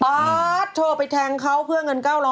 ป๊าดโชว์ไปแทงเขาเพื่อเงิน๙๐๐